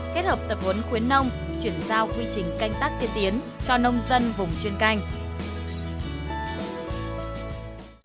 kết hợp tập huấn khuyến nông chuyển giao quy trình canh tác tiên tiến cho nông dân vùng chuyên canh